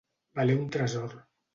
Valer un tresor.